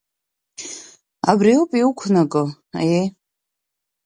Абри ауп иуқәнаго, аиеи…